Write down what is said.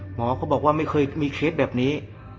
หมอเขาบอกว่าไม่เคยมีเคสแบบนี้